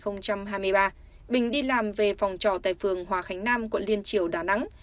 năm hai nghìn hai mươi ba bình đi làm về phòng trọ tại phường hòa khánh nam quận liên triều đà nẵng